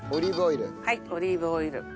オリーブオイル。